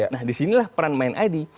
nah disinilah peran mind id